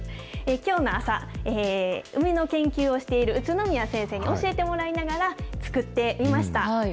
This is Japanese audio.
きょうの朝、梅の研究をしている宇都宮先生に教えてもらいながら作ってみました。